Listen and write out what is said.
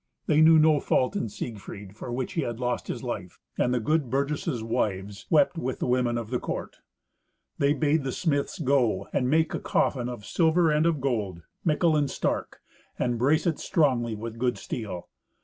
They knew no fault in Siegfried for which he had lost his life, and the good burgesses' wives wept with the women of the court. They bade the smiths go and make a coffin of silver and of gold, mickle and stark, and brace it strongly with good steel.